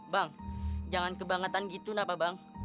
bang jangan kebangetan gitu napa bang